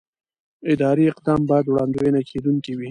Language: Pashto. اداري اقدام باید وړاندوينه کېدونکی وي.